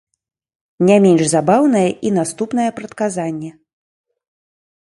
Не менш забаўнае і наступная прадказанне.